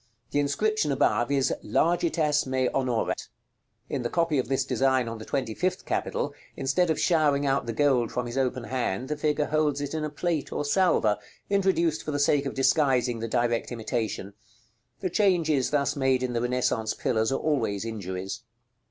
The inscription above is, "LARGITAS ME ONORAT." In the copy of this design on the twenty fifth capital, instead of showering out the gold from his open hand, the figure holds it in a plate or salver, introduced for the sake of disguising the direct imitation. The changes thus made in the Renaissance pillars are always injuries.